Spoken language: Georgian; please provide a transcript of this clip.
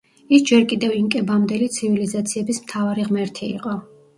ის ჯერ კიდევ ინკებამდელი ცივილიზაციების მთავარი ღმერთი იყო.